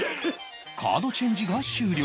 カードチェンジが終了